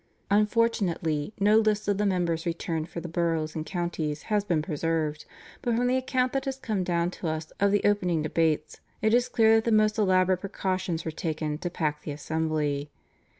Unfortunately no list of the members returned for the boroughs and counties has been preserved, but from the account that has come down to us of the opening debates it is clear that the most elaborate precautions were taken to pack the assembly.